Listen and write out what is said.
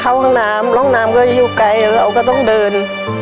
เข้าห้างน้ำห้างน้ำก็อยู่ไกลเราก็ต้องเดิน